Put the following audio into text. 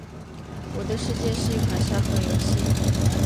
《我的世界》是一款沙盒游戏。